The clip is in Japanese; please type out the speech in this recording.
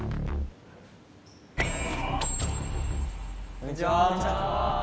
こんにちは。